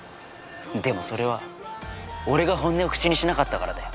でもそれは俺が本音を口にしなかったからだよ。